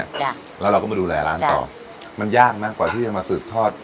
จ้ะแล้วเราก็มาดูแลร้านต่อมันยากนะกว่าที่จะมาสืบทอด